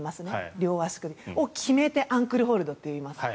両足首を決めてアンクルホールドっていいます。